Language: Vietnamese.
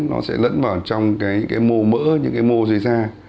nó sẽ lẫn vào trong cái mô mỡ những cái mô dưới da